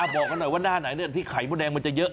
บอกกันหน่อยว่าหน้าไหนที่ไข่มดแดงมันจะเยอะ